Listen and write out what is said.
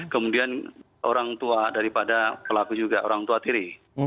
kemudian orang tua daripada pelaku juga orang tua kiri